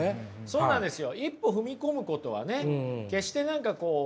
そうなんですよ。